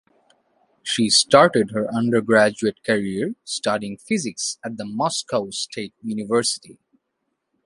She started her undergraduate career studying physics at the Moscow State University.